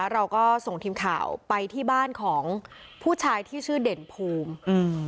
เราก็ส่งทีมข่าวไปที่บ้านของผู้ชายที่ชื่อเด่นภูมิอืม